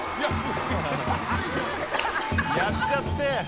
やっちゃって。